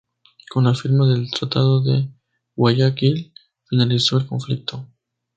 Con la firma del tratado de Guayaquil, finalizó el conflicto.